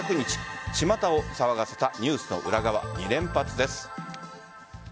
ちまたを騒がせたニュースの裏側２連発です。